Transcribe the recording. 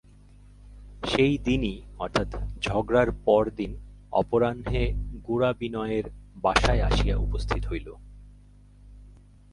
সেই দিনই অর্থাৎ ঝগড়ার পরদিন অপরাহ্নে গোরা বিনয়ের বাসায় আসিয়া উপস্থিত হইল।